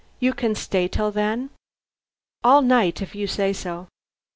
You can stay till then?" "All night, if you say so."